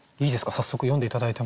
早速詠んで頂いても？